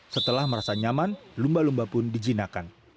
setelah merasa nyaman lumba lumba pun dijinakan